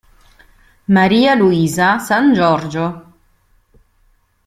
Maria Luisa Sangiorgio